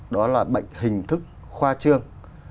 đó là bệnh hình thức hoa trương